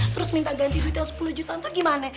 terus minta ganti duit yang sepuluh jutaan tuh gimana